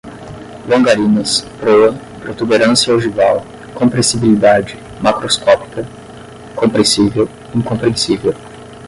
longarinas, proa, protuberância ogival, compressibilidade, macroscópica, compressível, incompressível